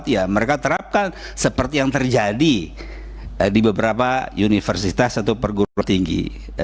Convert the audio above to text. ya mereka terapkan seperti yang terjadi di beberapa universitas atau perguruan tinggi